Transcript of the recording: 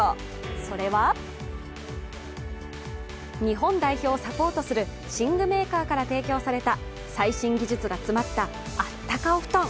それは日本代表をサポートする寝具メーカーから提供された最新技術が詰まったあったかお布団。